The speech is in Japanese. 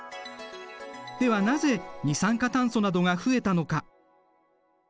ではなぜ二酸化炭素などが増えたのか？